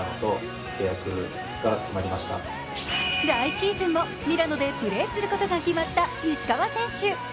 来シーズンもミラノでプレーすることが決まった石川選手。